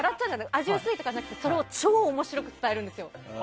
味、薄いとかじゃなくてそれを面白く伝えるんですよ。